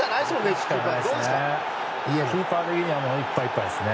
キーパー的にはいっぱいいっぱいですね。